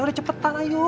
udah cepetan ayo